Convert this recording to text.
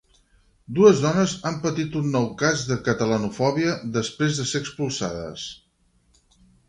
Dues dones han patit un nou cas de catalanofòbia, després de ser expulsades